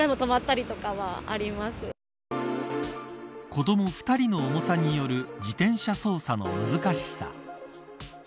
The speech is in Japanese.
子ども２人の重さによる自転車操作の難しさ。